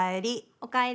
おかえり。